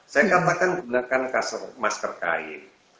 saya katakan gunakan masker kain